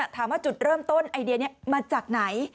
ถามว่าจุดเริ่มต้นไอเดียนี้มาจากไหน